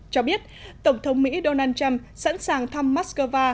cho biết tổng thống mỹ donald trump sẵn sàng thăm moscow